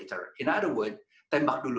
dalam kata lain tembak dulu